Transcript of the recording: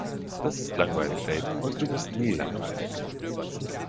Das ist langweilig, Babe, und du bist nie langweilig!